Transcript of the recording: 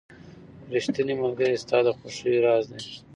• ریښتینی ملګری ستا د خوښیو راز دی.